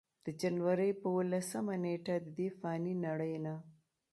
د جنورۍ پۀ اولسمه نېټه ددې فانې نړۍ نه